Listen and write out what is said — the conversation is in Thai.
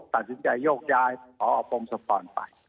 ตัดสินใจโยกย้ายขออพงศ์สมภัณฑ์ไป